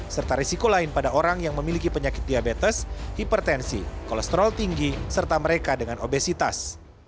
serta risiko lain pada orang yang memiliki penyakit diabetes hipertensi kolesterol tinggi serta mereka dengan obesitas